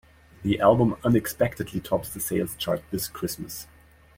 The album unexpectedly tops the sales chart this Christmas.